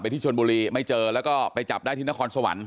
ที่ชนบุรีไม่เจอแล้วก็ไปจับได้ที่นครสวรรค